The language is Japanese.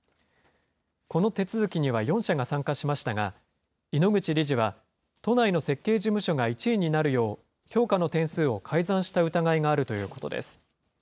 この手続きには４社が参加しましたが、井ノ口理事は都内の設計事務所が１位になるよう、評価の点数を改ざんした疑いがあるということです。